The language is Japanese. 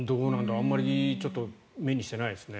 あんまり目にしてないですね。